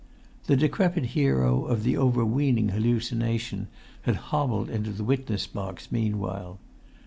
The decrepit hero of the overweening hallucination had hobbled into the witness box meanwhile.